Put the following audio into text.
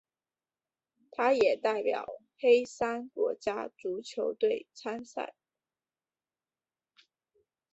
他也代表黑山国家足球队参赛。